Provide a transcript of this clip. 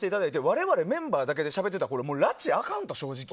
我々メンバーだけでしゃべっていたららちがあかんと、正直。